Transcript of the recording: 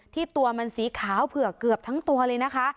ตัวมันสีขาวเผือกเกือบทั้งตัวเลยนะคะ